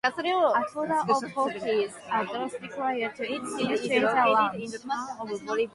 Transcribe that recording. A total of four keys are thus required to initiate a launch.